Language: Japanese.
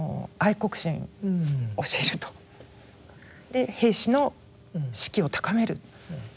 で兵士の士気を高める。